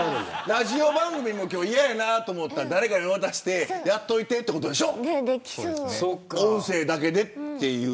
ラジオ番組も今日嫌だなと思ったら誰かに渡してやっといて、ということでしょ。